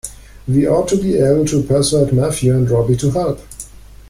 We ought to be able to persuade Matthew and Robbie to help.